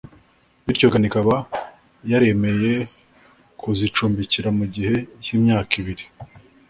bityo Ghana ikaba yaremeye kuzicumbikira mu gihe cy’imyaka ibiri